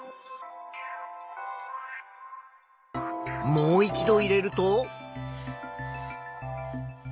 もう一度入れると。